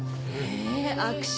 え！